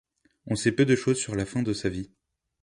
On sait peu de choses sur la fin de sa vie.